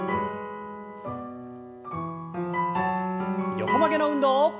横曲げの運動。